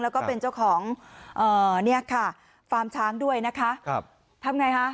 แล้วก็เป็นเจ้าของเนี้ยค่ะคับทำไงฮะ